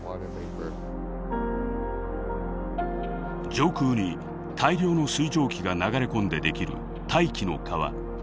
上空に大量の水蒸気が流れ込んでできる「大気の川」。